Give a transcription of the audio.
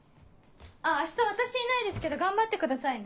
あっ明日私いないですけど頑張ってくださいね。